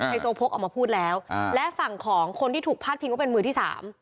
โซโพกออกมาพูดแล้วและฝั่งของคนที่ถูกพาดพิงว่าเป็นมือที่สาม